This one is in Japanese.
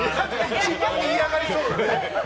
一番嫌がりそうなね。